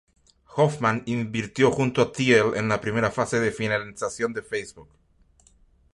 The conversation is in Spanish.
Hoffman invirtió junto a Thiel en la primera fase de financiación de Facebook.